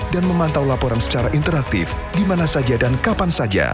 dan memantau laporan secara interaktif di mana saja dan kapan saja